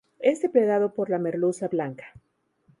Es depredado por la merluza blanca.